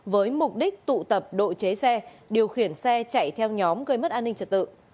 với mục đích tụ tập độ chế xe điều khiển xe chạy theo nhóm gây mất an ninh trật tự